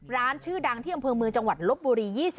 ร้านชื่อดังที่อมืจังหวันลบบุรี